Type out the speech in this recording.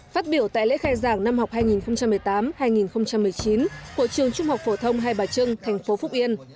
phát biểu tại lễ khai giảng năm học hai nghìn một mươi tám hai nghìn một mươi chín của trường trung học phổ thông hai bà trưng thành phố phúc yên